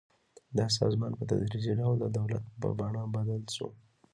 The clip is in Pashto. دا سازمان په تدریجي ډول د دولت په بڼه بدل شو.